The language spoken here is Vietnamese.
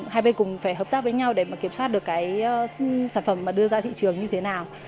hai bên cùng phải hợp tác với nhau để mà kiểm soát được cái sản phẩm mà đưa ra thị trường như thế nào